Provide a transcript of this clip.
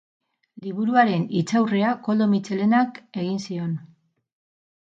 Liburuaren hitzaurrea Koldo Mitxelenak egin zion.